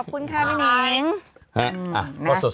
ขอบคุณค่ะหนิง